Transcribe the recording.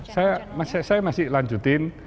saya masih lanjutin